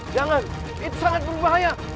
jangan itu sangat berbahaya